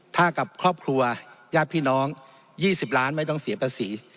ถ้ากับครอบครัวญาติพี่น้อง๒๐ล้านไม่ต้องเสียภาษี